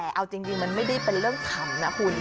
แต่เอาจริงมันไม่ได้เป็นเรื่องขำนะคุณ